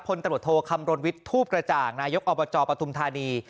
พรตรวจโทคำรวรวิจทูประจ่างนายกอบจปะจงปธุมธานี